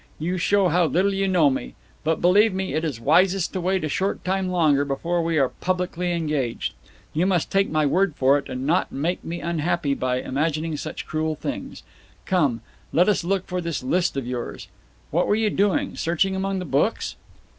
You show how little you know me. But, believe me, it is wisest to wait a short time longer before we are publicly engaged. You must take my word for it, and not made me unhappy by imagining such cruel things. Come, let us look for this list of yours. What were you doing searching among the books?"